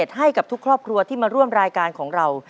ให้กับทุกครอบครัวที่มาร่วมรายการของเรา